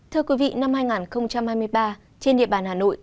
thưa quý vị năm hai nghìn hai mươi ba trên địa bàn hà nội